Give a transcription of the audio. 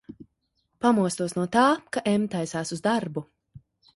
Pamostos no tā, ka M taisās uz darbu.